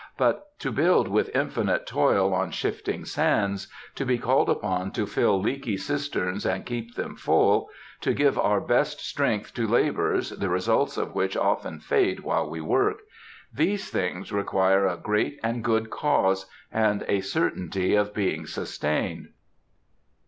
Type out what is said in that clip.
But to build with infinite toil on shifting sands; to be called upon to fill leaky cisterns and keep them full; to give our best strength to labors, the results of which often fade while we work,—these things require a great and good cause, and a certainty of being sustained.